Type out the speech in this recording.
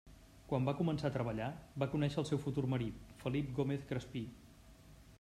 Quan va començar a treballar va conèixer el seu futur marit Felip Gómez Crespí.